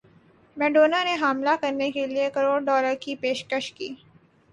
Madonna نے حاملہ کرنے کیلئے کروڑ ڈالر کی پیشکش کی